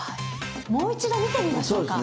もう一度見てみましょうか？